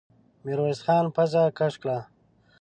ميرويس خان پزه کش کړه.